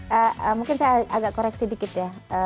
ya mungkin saya agak koreksi dikit ya